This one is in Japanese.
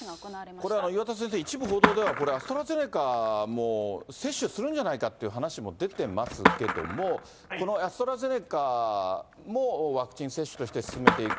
これは岩田先生、一部報道では、これ、アストラゼネカも接種するんじゃないかという話も出てますけれども、このアストラゼネカもワクチン接種として進めていく。